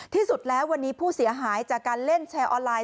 ที่สุดแล้ววันนี้ผู้เสียหายจากการเล่นแชร์ออนไลน